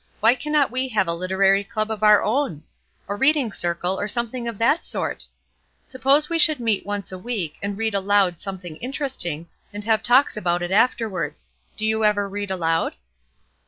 Why cannot we have a literary club of our own? A reading circle, or something of that sort? Suppose we should meet once a week and read aloud something interesting, and have talks about it afterwards. Do you ever read aloud?"